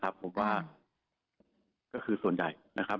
ครับผมว่าพอผิดวันที่๓๐เมษาเนี่ยนะครับ